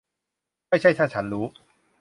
ไม่ใช่ถ้าฉันรู้ !